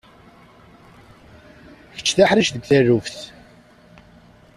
Kečč d aḥric seg taluft.